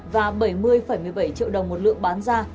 và bảy mươi một mươi bảy triệu đồng một lượng bán ra